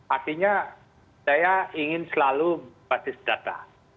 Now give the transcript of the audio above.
artinya saya ingin selalu basis data